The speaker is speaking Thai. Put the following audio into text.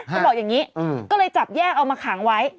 เขาบอกอย่างนี้ก็เลยจับแยกเอามาขังไว้